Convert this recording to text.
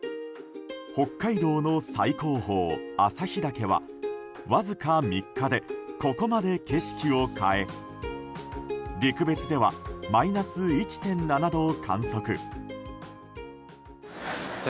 北海道の最高峰・旭岳はわずか３日でここまで景色を変え陸別ではマイナス１．７度を観測。